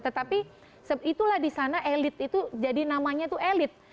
tetapi itulah di sana elit itu jadi namanya itu elit